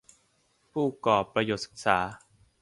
ผู้กอรปประโยชน์ศึกษา